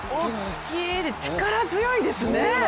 大きいし力強いですね。